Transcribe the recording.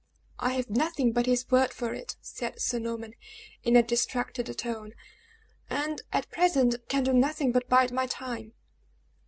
"I have nothing but his word for it!" said Sir Norman, in a distracted tone, "and, at present, can do nothing but bide my time."